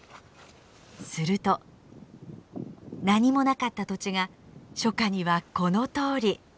すると何もなかった土地が初夏にはこのとおり。